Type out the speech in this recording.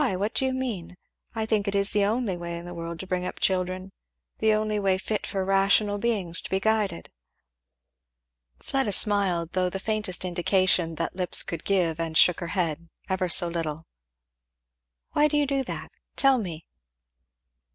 what do you mean? I think it is the only way in the world to bring up children the only way fit for rational beings to be guided." Fleda smiled, though the faintest indication that lips could give, and shook her head, ever so little. "Why do you do that? tell me."